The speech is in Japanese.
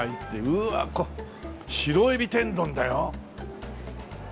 うわ白エビ天丼だよこれ。